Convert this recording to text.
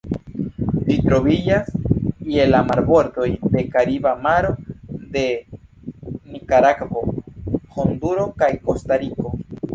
Ĝi troviĝas je la marbordoj de Kariba Maro de Nikaragvo, Honduro, kaj Kostariko.